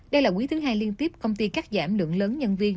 đây là quý thứ hai liên tiếp công ty cắt giảm lượng lớn nhân viên